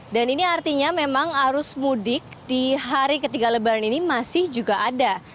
dan ini artinya memang arus mudik di hari ketiga lebaran ini masih juga ada